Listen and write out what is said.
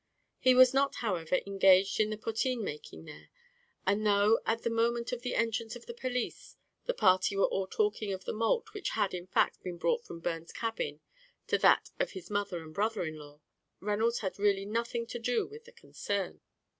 He was not, however, engaged in the potheen making there; and though at the moment of the entrance of the police, the party were all talking of the malt, which had, in fact, been brought from Byrne's cabin to that of his mother and brother in law, Reynolds had really nothing to do with the concern.